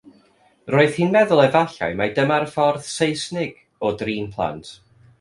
Roedd hi'n meddwl efallai mae dyma'r ffordd Seisnig o drin plant.